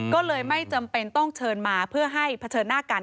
ก็เลยไม่จำเป็นต้องเชิญมาเพื่อให้เผชิญหน้ากัน